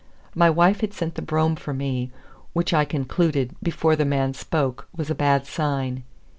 My wife had sent the brougham for me, which I concluded, before the man spoke, was a bad sign.